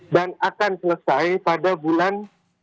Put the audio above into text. dan akan selesai pada bulan